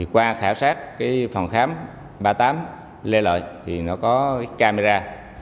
qua khảo sát phòng khám ba mươi tám lê lợi thì nó có camera